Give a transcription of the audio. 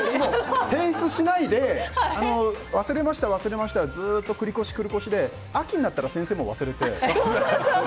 提出しないで忘れました、忘れましたでずっと繰り越し、繰り越しで秋になったら先生も忘れて。